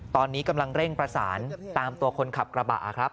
ตอนนี้กำลังเร่งประสานตามตัวคนขับกระบะครับ